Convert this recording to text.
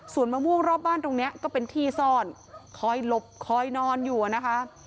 ส่วนมะม่วงรอบบ้านตรงนี้ก็เป็นที่ซ่อนคอยหลบคอยนอนอยู่นะคะ